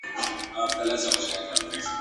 زما زلمي کلونه انتظار انتظار وخوړل ..